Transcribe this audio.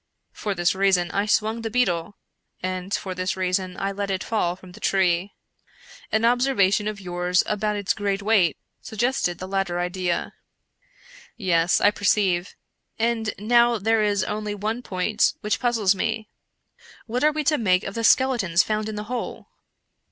For this reason I swung the beetle, and for this reason I let it fall from the tree. An observation of yours about its great weight suggested the latter idea." " Yes, I perceive ; and now there is only one point which puzzles me. What are we to make of the skeletons found in the hole?"